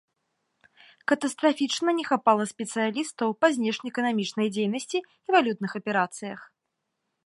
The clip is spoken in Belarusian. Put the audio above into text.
Катастрафічна не хапала спецыялістаў па знешнеэканамічнай дзейнасці і валютных аперацыях.